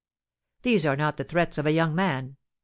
These are not the threats of a young man.